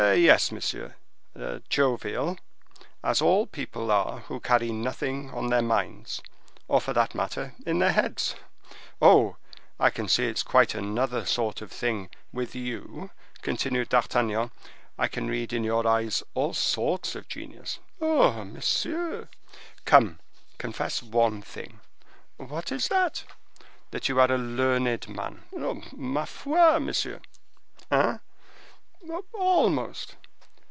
"Yes, monsieur; jovial, as all people are who carry nothing on their minds, or, for that matter, in their heads. Oh! I can see it is quite another sort of thing with you," continued D'Artagnan; "I can read in your eyes all sorts of genius." "Oh, monsieur!" "Come, confess one thing." "What is that?" "That you are a learned man." "Ma foi! monsieur." "Hein?" "Almost."